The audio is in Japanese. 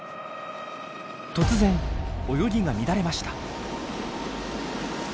突然泳ぎが乱れました。